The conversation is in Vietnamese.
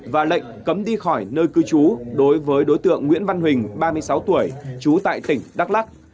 và lệnh cấm đi khỏi nơi cư trú đối với đối tượng nguyễn văn huỳnh ba mươi sáu tuổi trú tại tỉnh đắk lắc